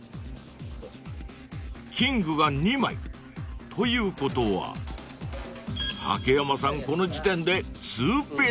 ［キングが２枚ということは竹山さんこの時点で２ペア］